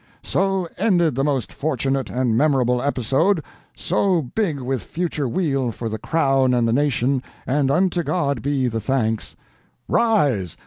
"So ended the most fortunate and memorable episode, so big with future weal for the crown and the nation, and unto God be the thanks! Rise!